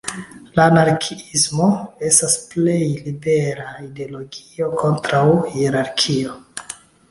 La anarkiismo estas plej liberiga ideologio kontraŭ hierarkio.